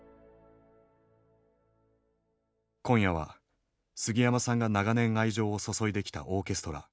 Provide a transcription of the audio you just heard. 今夜は、すぎやまさんが長年愛情を注いできたオーケストラ